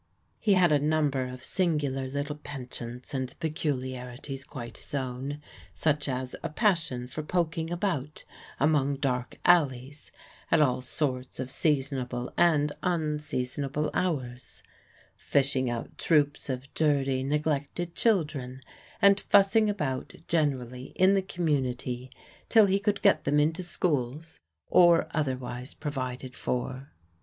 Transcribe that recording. He had a number of singular little penchants and peculiarities quite his own, such as a passion for poking about among dark alleys, at all sorts of seasonable and unseasonable hours; fishing out troops of dirty, neglected children, and fussing about generally in the community till he could get them into schools or otherwise provided for.